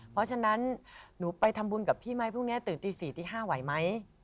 เพราะฉะนั้นหนูไปทำบุญกับพี่ไหมพรุ่งนี้ตื่นตี๔ตี๕ไหวไหม